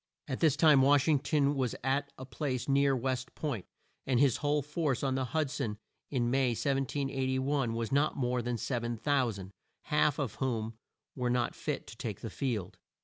At this time Wash ing ton was at a place near West Point, and his whole force on the Hud son, in May 1781, was not more than 7,000; half of whom were not fit to take the field.